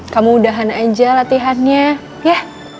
kamu udahan aja latihannya ya